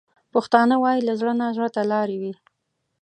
پښتانه وايي: له زړه نه زړه ته لارې وي.